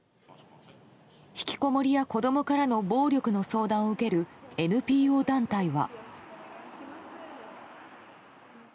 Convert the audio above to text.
引きこもりや子供からの暴力の相談を受けるＮＰＯ団体は。